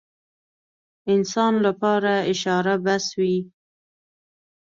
انسان لپاره اشاره بس وي.